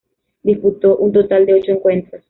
Disputó un total de ocho encuentros.